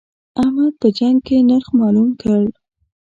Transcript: احمد په جنګ کې نرخ مالوم کړ.